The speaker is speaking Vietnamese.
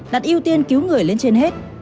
đặt ưu tiên cứu người lên trên hết